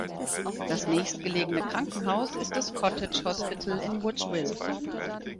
Das nächstgelegene Krankenhaus ist das Cottage Hospital in Woodsville.